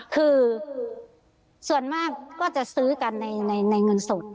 คือส่วนมากก็จะซื้อกันในเงินสด